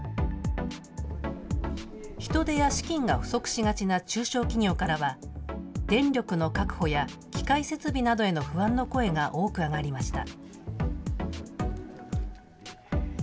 人手や資金が不足しがちな中小企業からは電力の確保や機械設備などへの不安の声が多く上がりました。